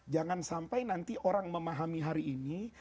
jangan sampai nanti orang memahami hari ini